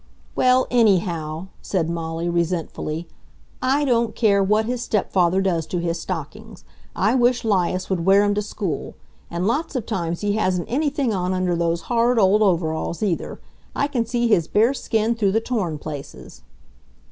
"Well, anyhow," said Molly resentfully, "I don't care what his stepfather does to his stockings. I wish 'Lias would wear 'em to school. And lots of times he hasn't anything on under those horrid old overalls either! I can see his bare skin through the torn places."